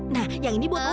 nah yang ini buat woko